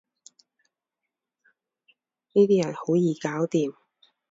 呢啲人好易搞掂